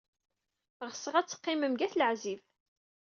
Ɣseɣ ad teqqimem deg At Leɛzib.